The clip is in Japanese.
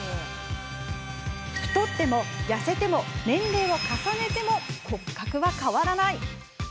太っても痩せても年齢を重ねても骨格は変わらない。